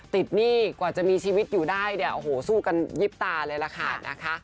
หนี้กว่าจะมีชีวิตอยู่ได้เนี่ยโอ้โหสู้กันยิบตาเลยล่ะค่ะนะคะ